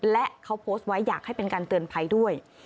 และเขาโพสต์ไว้อยากให้เป็นการเตือนภัยด้วย